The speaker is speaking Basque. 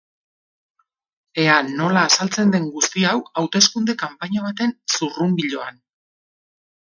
Ea nola azaltzen den guzti hau hauteskunde kanpaina baten zurrunbiloan.